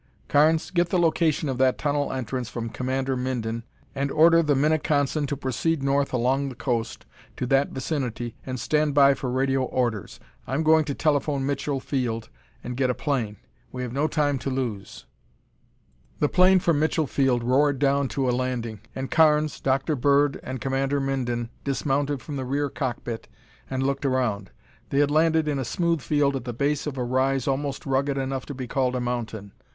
"Carnes, get the location of that tunnel entrance from Commander Minden and order the Minneconsin to proceed north along the coast to that vicinity and stand by for radio orders. I am going to telephone Mitchell Field and get a plane. We have no time to lose." The plane from Mitchell Field roared down to a landing, and Carnes, Dr. Bird and Commander Minden dismounted from the rear cockpit and looked around. They had landed in a smooth field at the base of a rise almost rugged enough to be called a mountain.